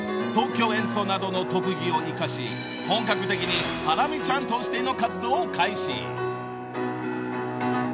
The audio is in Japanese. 即興演奏などの特技を生かし本格的にハラミちゃんとしての活動を開始］